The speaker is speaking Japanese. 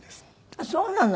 あっそうなの。